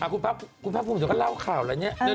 คุณพระภูมิถึงก็เล่าข่าวแหละนี่